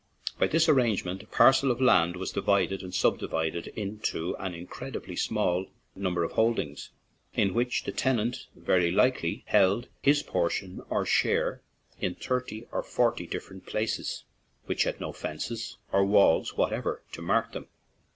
By this arrangement a parcel of land was divided and subdivided into an incredible number of small holdings, in which the tenant very likely held his pro portion or share in thirty or forty different places, which had no fences or walls what ever to mark them.